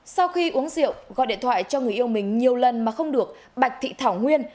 sau khi uống rượu gọi điện thoại cho người yêu mình nhiều lần mà không được bạch thị thảo nguyên